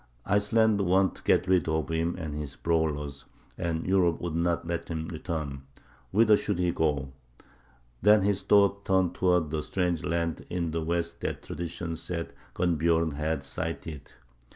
Iceland wanted to get rid of him and his brawlers, and Europe would not let him return. Whither should he go? Then his thoughts turned toward the strange land in the west that tradition said Gunnbjörn had sighted.